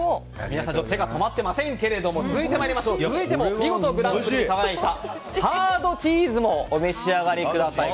皆さん手が止まっていませんが続いても見事グランプリに輝いたハードチーズもお召し上がりください。